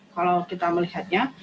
kalau kita melihatnya